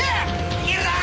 逃げるな！